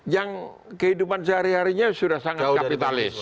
yang kehidupan sehari harinya sudah sangat kapitalis